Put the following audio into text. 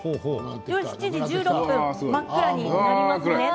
７時１６分、真っ暗になります。